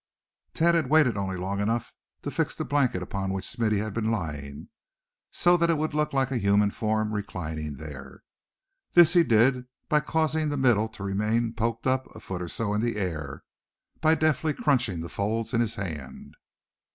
Thad had waited only long enough to fix the blanket upon which Smithy had been lying, so that it would look like a human form reclining there. This he did by causing the middle to remain poked up a foot or so in the air, by deftly crunching the folds in his hand.